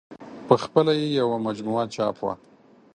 په خپله یې یوه مجموعه چاپ وه.